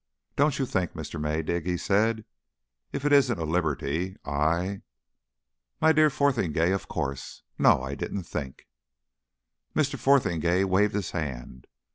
"Don't you think, Mr. Maydig," he said, "if it isn't a liberty, I " "My dear Mr. Fotheringay! Of course! No I didn't think." Mr. Fotheringay waved his hand.